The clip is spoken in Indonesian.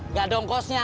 nggak dong kosnya